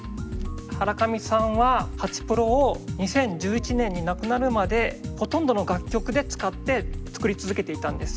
ハラカミさんはハチプロを２０１１年に亡くなるまでほとんどの楽曲で使って作り続けていたんです。